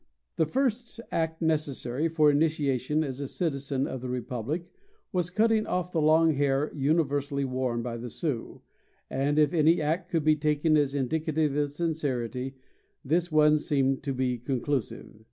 The first act necessary for initiation as a citizen of the republic was cutting off the long hair universally worn by the Sioux, and if any act could be taken as indicative of sincerity, this one seemed to be conclusive.